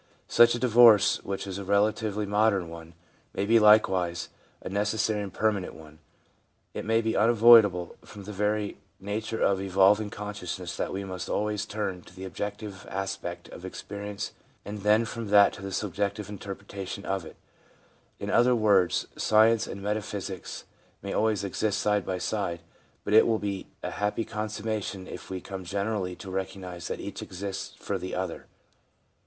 Such a divorce, which is a relatively modern one, may be likewise a necessary and permanent one. It may be unavoidable, from the very nature of evolving consciousness that we must always turn to the objective aspect of experience and then from that to the subjective interpretation of it — in other words, science and metaphysics may always exist side by side ; but it will be a happy consummation if we come generally to recognise that each exists for the other.